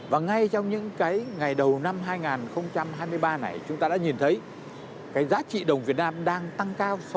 và ngay trong những cái ngày đầu năm hai nghìn hai mươi ba này chúng ta đã nhìn thấy cái giá trị đồng việt nam đang tăng cao